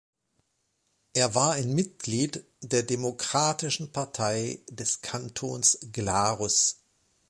Er war ein Mitglied der Demokratischen Partei des Kantons Glarus.